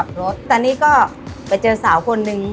แล้วก็ขับรถตอนนี้ก็ไปเจอสาวคนนึง